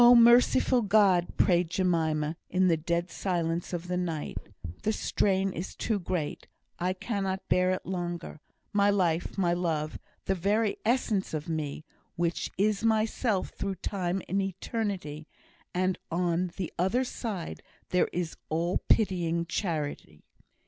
merciful God," prayed Jemima, in the dead silence of the night, "the strain is too great I cannot bear it longer my life my love the very essence of me, which is myself through time and eternity; and on the other side there is all pitying Charity.